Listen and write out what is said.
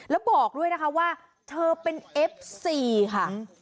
แล้วบอกด้วยนะคะว่าเธอเป็นเอฟซีค่ะ